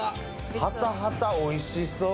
ハタハタおいしそう。